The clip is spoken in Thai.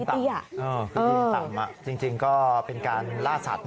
คือยิงต่ำจริงก็เป็นการล่าสัตว